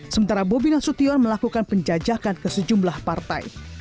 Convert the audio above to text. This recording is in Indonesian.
sementara bobi nasution melakukan penjajakan ke sejumlah partai